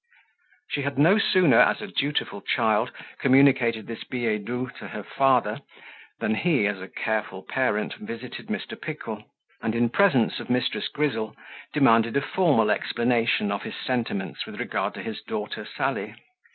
She had no sooner, as a dutiful child, communicated this billet doux to her father, than he, as a careful parent, visited Mr. Pickle, and, in presence of Mrs. Grizzle, demanded a formal explanation of his sentiments with regard to his daughter Sally.